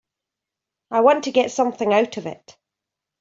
I want to get something out of it.